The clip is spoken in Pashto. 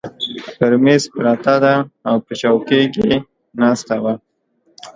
پر مېز پرته ده، او په چوکۍ کې ناسته وه.